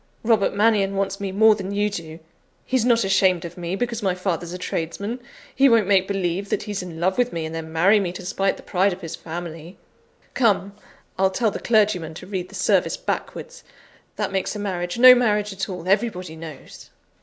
Robert Mannion wants me more than you do he's not ashamed of me because my father's a tradesman; he won't make believe that he's in love with me, and then marry me to spite the pride of his family. Come! I'll tell the clergyman to read the service backwards; that makes a marriage no marriage at all, everybody knows."